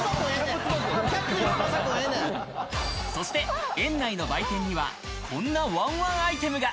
そして園内の売店にはこんな、わんわんアイテムが。